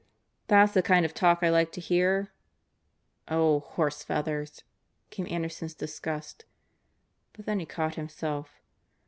"That's the kind of talk I like to hear." "Oh, horse feathers!" came Anderson's disgust. But then he caught himself.